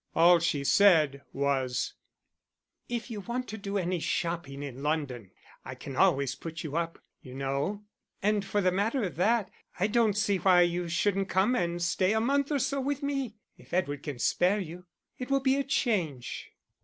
All she said was "If you want to do any shopping in London, I can always put you up, you know. And for the matter of that, I don't see why you shouldn't come and stay a month or so with me if Edward can spare you. It will be a change."